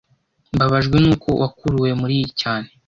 Mbabajwe nuko wakuruwe muriyi cyane